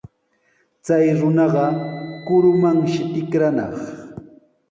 Chay runaqa kurumanshi tikranaq.